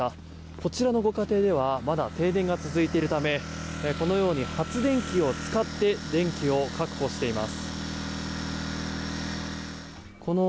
こちらのご家庭ではまだ停電が続いているためこのように発電機を使って電気を確保しています。